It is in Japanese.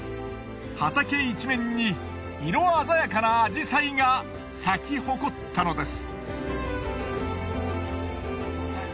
畑いちめんに色鮮やかなアジサイが咲き誇ったのです。